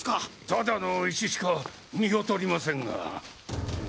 ただの石しか見当たりませんが。